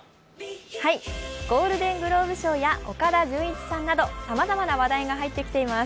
ゴールデン・グローブ賞や岡田准一さんなどさまざまな話題が入ってきています。